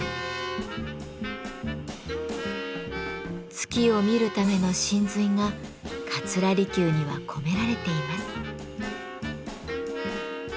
月を見るための神髄が桂離宮には込められています。